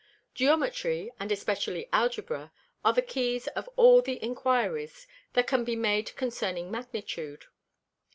Geometry, and especially Algebra, are the Keys of all the Inquiries, that can be made concerning Magnitude.